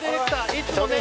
いつもね